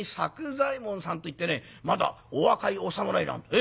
左右衛門さんといってねまだお若いお侍なんでええ。